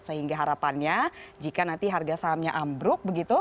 sehingga harapannya jika nanti harga sahamnya ambruk begitu